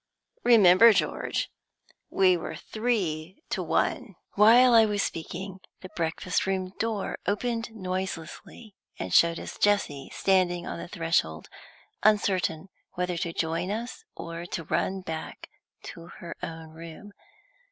Remember, George, we were three to one." While I was speaking the breakfast room door opened noiselessly, and showed us Jessie standing on the threshold, uncertain whether to join us or to run back to her own room.